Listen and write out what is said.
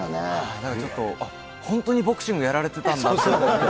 だからちょっと、本当にボクシングやられてたんだと思って。